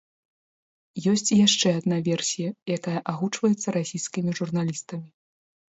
Ёсць і яшчэ адна версія, якая агучваецца расійскімі журналістамі.